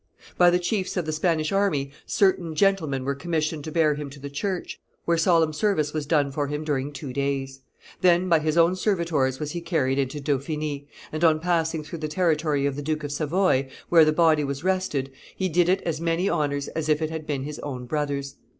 By the chiefs of the Spanish army certain gentlemen were commissioned to bear him to the church, where solemn service was done for him during two days. Then, by his own servitors was he carried into Dauphiny, and, on passing through the territory of the Duke of Savoy, where the body was rested, he did it as many honors as if it had been his own brother's.